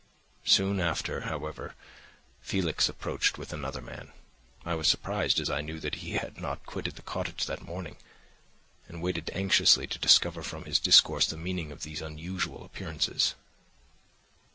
Soon after, however, Felix approached with another man; I was surprised, as I knew that he had not quitted the cottage that morning, and waited anxiously to discover from his discourse the meaning of these unusual appearances.